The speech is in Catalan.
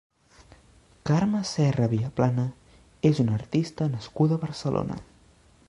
Carme Serra Viaplana és una artista nascuda a Barcelona.